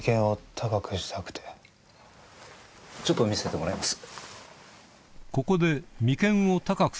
ちょっと見せてもらえます？